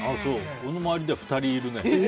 俺の周りでは２人いるね。